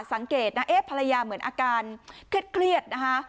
สังเกตนะเอ๊ะภรรยาเหมือนอาการเครียดนะคะ